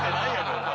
お前。